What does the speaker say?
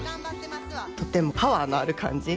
とてもパワーのある感じ。